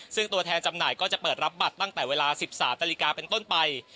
ซึ่งตัวแทนจำหน่ายก็จะเปิดรับบัตรตั้งแต่เวลา๑๓นาฬิกาเป็นต้นไป